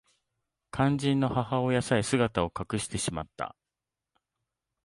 肝心の母親さえ姿を隠してしまった